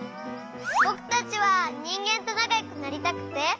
ぼくたちはにんげんとなかよくなりたくて。